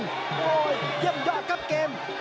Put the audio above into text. เยี่ยมยอดครับเกม